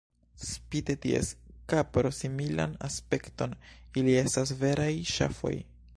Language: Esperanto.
Spite ties kapro-similan aspekton, ili estas veraj ŝafoj.